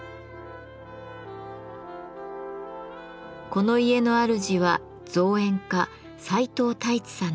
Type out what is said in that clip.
この家のあるじは造園家齊藤太一さんです。